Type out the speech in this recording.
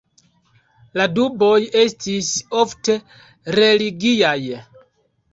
La duboj estis ofte religiaj.